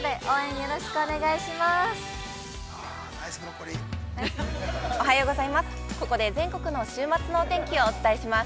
よろしくお願いします。